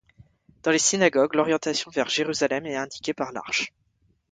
Dans les synagogues, l'orientation vers Jérusalem est indiquée par l'arche.